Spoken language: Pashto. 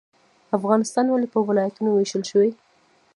افغانستان ولې په ولایتونو ویشل شوی؟